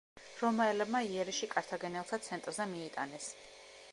რომაელებმა იერიში კართაგენელთა ცენტრზე მიიტანეს.